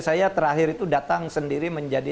saya terakhir itu datang sendiri menjadi